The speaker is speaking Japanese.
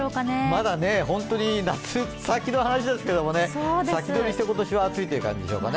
まだ本当に夏、先の話ですけどね、先取りして今年は暑いという感じでしょうかね。